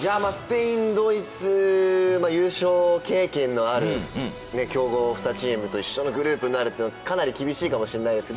スペイン、ドイツは優勝経験のある強豪２チームと一緒のグループになるのはかなり厳しいかもしれません。